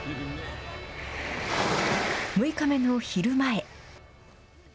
６日目の昼前。